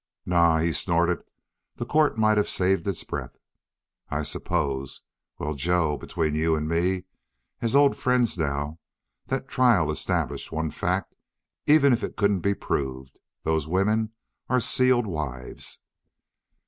"Naw," he snorted. "That court might have saved its breath." "I suppose. Well, Joe, between you and me, as old friends now, that trial established one fact, even if it couldn't be proved.... Those women are sealed wives."